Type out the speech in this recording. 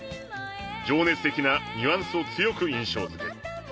情熱的なニュアンスを強く印象づける。